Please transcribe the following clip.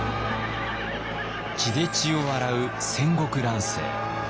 血で血を洗う戦国乱世。